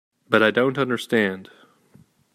But I don't understand.